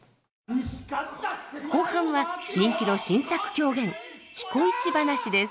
後半は人気の新作狂言「彦市ばなし」です。